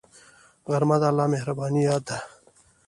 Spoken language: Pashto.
غرمه د الله مهربانۍ یاد ده